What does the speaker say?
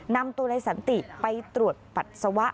นำตัวนายสันติไปตรวจปัสสาวะ